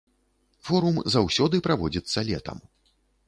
Форум заўсёды праводзіцца летам.